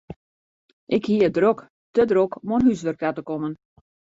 Ik hie it drok, te drok om oan húswurk ta te kommen.